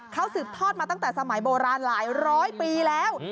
เขาสืบทอดมาตั้งแต่สมัยโบราณหลายร้อยปีแล้ว